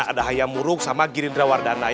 ada hayam murug sama girindra wardana